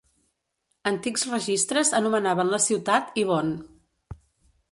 Antics registres anomenaven la ciutat Ibon.